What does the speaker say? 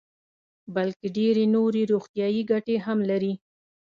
بلکې ډېرې نورې روغتیايي ګټې هم لري.